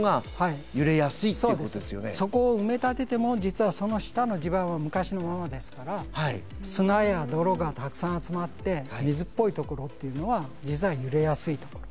そこを埋め立てても実はその下の地盤は昔のままですから砂や泥がたくさん集まって水っぽいところっていうのは実は揺れやすいところ。